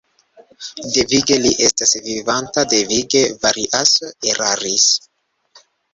Devige li estas vivanta; devige Variaso eraris.